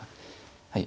はい。